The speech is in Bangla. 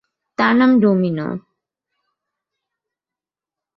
তার নাম ডমিনো।